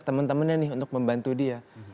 teman temannya nih untuk membantu dia